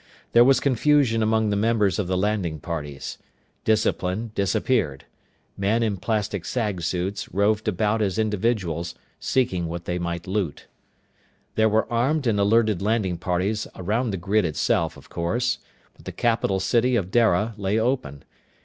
There was confusion among the members of the landing parties. Discipline disappeared. Men in plastic sag suits roved about as individuals, seeking what they might loot. There were armed and alerted landing parties around the grid itself, of course, but the capital city of Dara lay open.